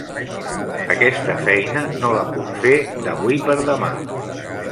Aquesta feina no la puc fer d'avui per demà.